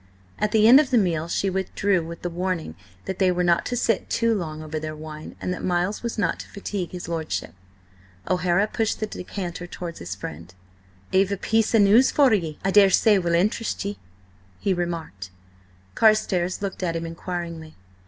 At the end of the meal she withdrew with the warning that they were not to sit too long over their wine, and that Miles was not to fatigue his lordship. O'Hara pushed the decanter towards his friend. "I've a piece of news I daresay will interest ye!" he remarked. Carstares looked at him inquiringly.